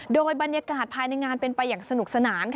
โดยบรรยากาศภายในงานเป็นไปอย่างสนุกสนาน